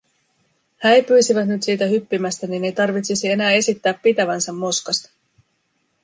Häipyisivät nyt siitä hyppimästä, niin ei tarvitsisi enää esittää pitävänsä moskasta.